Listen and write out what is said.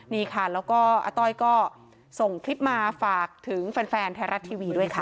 นี่ค่ะแล้วก็อาต้อยก็ส่งคลิปมาฝากถึงแฟนไทยรัฐทีวีด้วยค่ะ